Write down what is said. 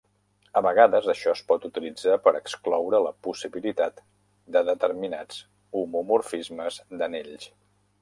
A vegades això es pot utilitzar per excloure la possibilitat de determinats homomorfismes d'anells.